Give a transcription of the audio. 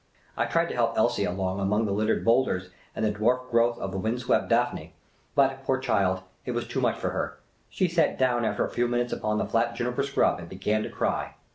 I tried to help Elsie along among the littered boulders and the dwarf growth of wind swept daphne ; but, poor child, it was too much for her; she sat down after a few minutes upon the flat juniper scrub and began to cry.